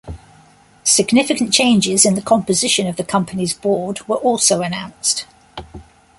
Significant changes in the composition of the company's board were also announced.